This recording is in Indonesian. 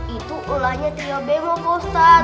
itu ulahnya trio bemo pak ustadz